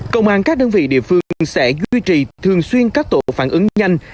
công an các đơn vị địa phương sẽ duy trì thường xuyên các tổ phản ứng nhanh